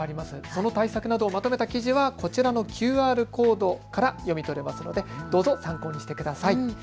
その対策などをまとめた記事はこちらのＱＲコードから読み取れますのでどうぞ参考にしてください。